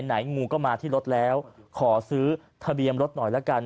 งูก็มาที่รถแล้วขอซื้อทะเบียนรถหน่อยละกัน